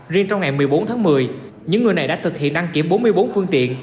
riêng trong ngày một mươi bốn tháng một mươi những người này đã thực hiện đăng kiểm bốn mươi bốn phương tiện